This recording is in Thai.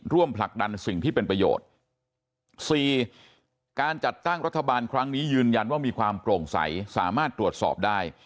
ผลักดันสิ่งที่เป็นประโยชน์สี่การจัดตั้งรัฐบาลครั้งนี้ยืนยันว่ามีความโปร่งใสสามารถตรวจสอบได้